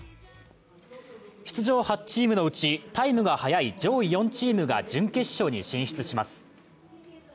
出場８チームのうちタイムが速い上位４チームが準決勝に進出します。